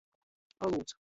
Olūts.